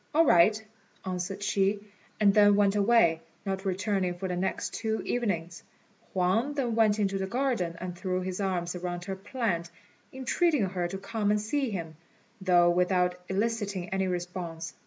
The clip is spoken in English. "All right," answered she, and then went away, not returning for the next two evenings. Huang then went into the garden and threw his arms around her plant, entreating her to come and see him, though without eliciting any response.